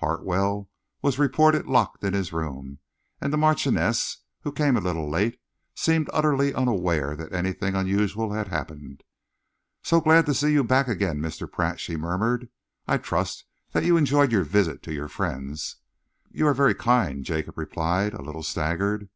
Hartwell was reported locked in his room, and the Marchioness, who came a little late, seemed utterly unaware that anything unusual had happened. "So glad to see you back again, Mr. Pratt," she murmured. "I trust that you enjoyed your visit to your friends." "You are very kind," Jacob replied, a little staggered.